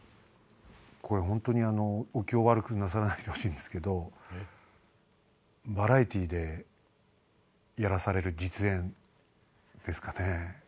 これ本当にお気を悪くなさらないでほしいんですけどバラエティーでやらされる実演ですかね。